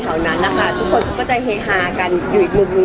ตัดกินของเขาอะไรแบบนี้